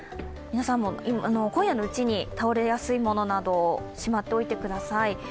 皆さんも今夜のうちに倒れやすいものなどをしまっておいてくだい。